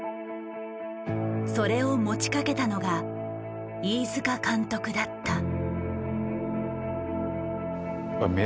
それを持ちかけたのが飯塚監督だった。